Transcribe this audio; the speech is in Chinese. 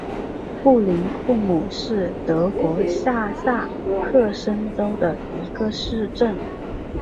布林库姆是德国下萨克森州的一个市镇。